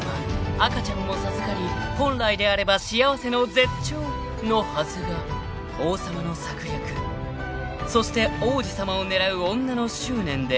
［赤ちゃんも授かり本来であれば幸せの絶頂のはずが王様の策略そして王子様を狙う女の執念で］